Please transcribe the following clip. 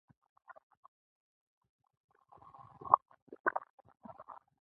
دا خبرې له پښتو ژبې سره د هغه مینه څرګندوي.